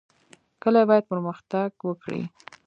کلي باید پرمختګ وکړي